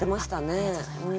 ありがとうございます。